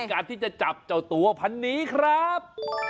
การที่จะจับเจ้าตัวพันนี้ครับ